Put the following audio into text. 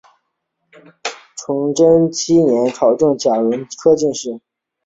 崇祯七年考中甲戌科进士。